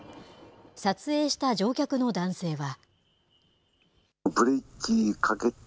撮影した乗客の男性は。